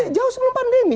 iya jauh sebelum pandemi